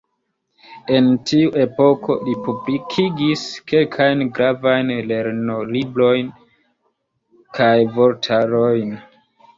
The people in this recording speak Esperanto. En tiu epoko li publikigis kelkajn gravajn lernolibrojn kaj vortarojn.